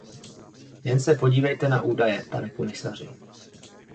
Jen se podívejte na údaje, pane komisaři.